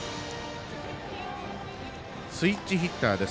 スイッチヒッターです。